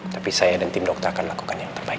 tapi saya dan tim dokter akan lakukan yang terbaik